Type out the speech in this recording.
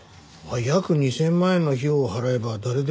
約２０００万円の費用を払えば誰でも契約できるんだ。